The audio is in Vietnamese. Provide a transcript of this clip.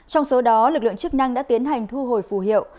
trong số đó lực lượng chức năng đã tiến hành thu hồi phù hiệu